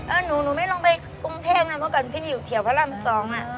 เออหนูไม่ลองไปกรุงเทศนะเพราะก่อนพี่อยู่เถียวพระราม๒อะ